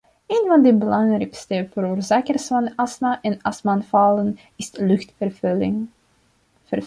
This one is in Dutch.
Een van de belangrijkste veroorzakers van astma en astma-aanvallen is luchtvervuiling.